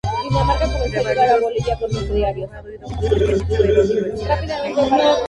Revalidó su título como abogado y Doctor en Derecho en la Universidad de Heidelberg.